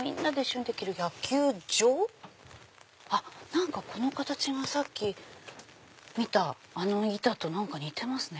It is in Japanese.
何かこの形がさっき見たあの板と似てますね！